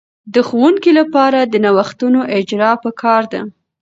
د ښوونکې لپاره د نوښتونو اجراء په کار ده.